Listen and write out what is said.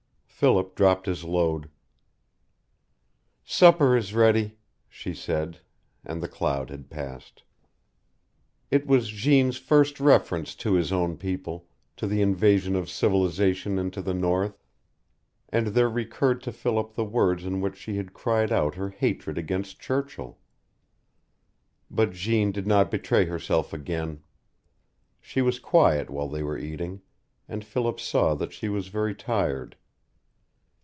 Philip dropped his load. "Supper is ready," she said, and the cloud had passed. It was Jeanne's first reference to his own people, to the invasion of civilization into the north, and there recurred to Philip the words in which she had cried out her hatred against Churchill. But Jeanne did not betray herself again. She was quiet while they were eating, and Philip saw that she was very tired.